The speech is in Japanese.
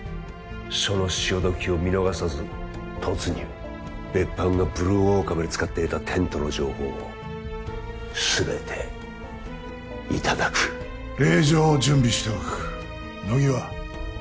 その潮時を見逃さず突入別班がブルーウォーカーまで使って得たテントの情報を全ていただく令状を準備しておく乃木は？